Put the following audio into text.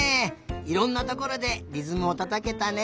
いろんなところでりずむをたたけたね。